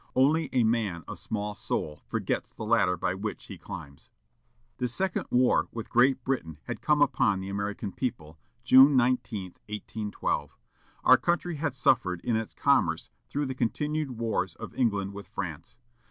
Only a man of small soul forgets the ladder by which he climbs. The second war with Great Britain had come upon the American people, June 19, 1812. Our country had suffered in its commerce through the continued wars of England with France.